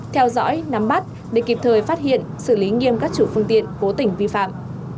theo dõi nắm bắt để kịp thời phát hiện xử lý nghiêm các chủ phương tiện cố tình vi phạm